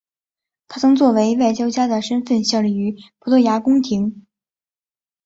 他曾作为外交家的身份效力于葡萄牙宫廷。